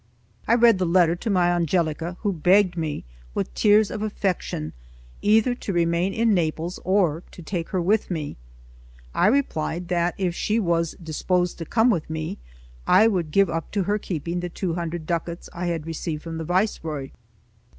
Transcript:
I read the letter to my Angelica, who begged me with tears of affection either to remain in Naples or to take her with me. I replied that if she was disposed to come with me, I would give up to her keeping the two hundred ducats I had received from the Viceroy.